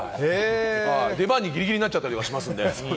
出番にギリギリになっちゃったりしますんで。